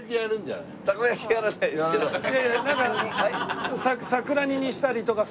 いやいやなんか桜煮にしたりとかするの？